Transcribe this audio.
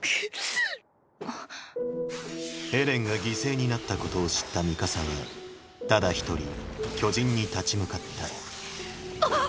エレンが犠牲になったことを知ったミカサはただ一人巨人に立ち向かったあっ！